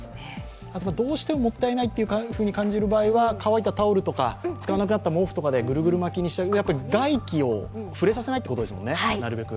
どうしてももったいないと感じる場合は乾いたタオルとか使わなくなった毛布とかでぐるぐる巻きにする、外気を触れさせないってことですよね、なるべく。